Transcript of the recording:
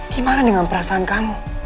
gimana dengan perasaan kamu